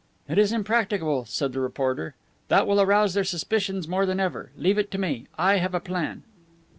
"It's impracticable," said the reporter. "That will arouse their suspicions more than ever. Leave it to me; I have a plan."